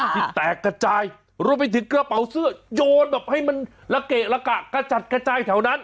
ที่แตกกระจายรวมไปถึงกระเป๋าเสื้อโยนแบบให้มันละเกะละกะกระจัดกระจายแถวนั้น